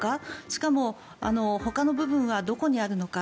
しかもほかの部分はどこにあるのか。